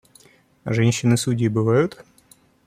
А женщины-судьи бывают?